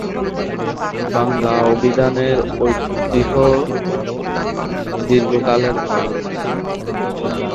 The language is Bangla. বাংলা অভিধানের ঐতিহ্য দীর্ঘকালের নয়।